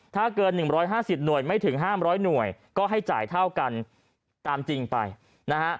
ถ้าเกิน๑๕๐หน่วยไม่ถึง๕๐๐หน่วยก็ให้จ่ายเท่ากันตามจริงไปนะฮะ